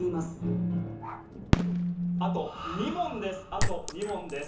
あと２問です